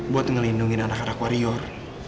buat ngelindungi anak anak warrior